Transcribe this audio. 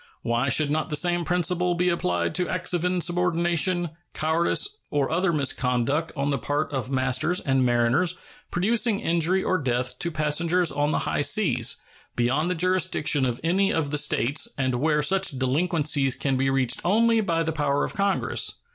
Why should not the same principle be applied to acts of insubordination, cowardice, or other misconduct on the part of masters and mariners producing injury or death to passengers on the high seas, beyond the jurisdiction of any of the States, and where such delinquencies can be reached only by the power of Congress?